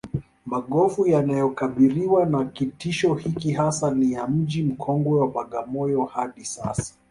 Magofu yanayokabiriwa na kitisho hiki hasa ni ya Mji mkongwe wa Bagamoyo hadi Sasa